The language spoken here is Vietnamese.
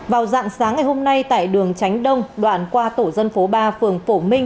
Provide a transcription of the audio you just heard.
vào dạng sáng ngày hôm nay tại đường tránh đông đoạn qua tổ dân phố ba phường phổ minh